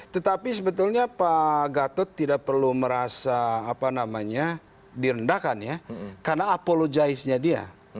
tetapi sebetulnya pak gatot tidak perlu merasa apa namanya direndahkan ya karena apologisnya dia